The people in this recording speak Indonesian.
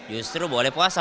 justru boleh puasa